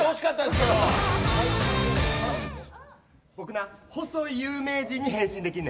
僕な、細い有名人に変身できるの。